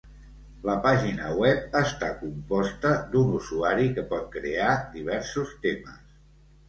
La pàgina web està composta d'un usuari que pot crear diversos temes.